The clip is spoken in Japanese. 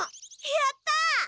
やった！